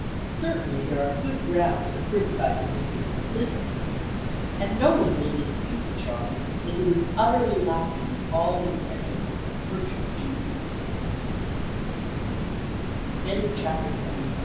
Certainly there are good grounds for criticizing Lincoln as a business man, and no one will dis pute the charge that he was utterly lacking in all the essentials of commercial gen